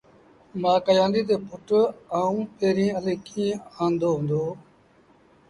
مآ ڪهيآݩديٚ تا پُٽ آئوݩ پيريٚݩ اَلهيٚ ڪيٚݩ آݩدو هُݩدو